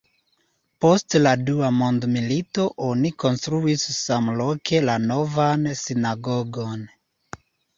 Post la Dua mondmilito oni konstruis samloke la Novan sinagogon.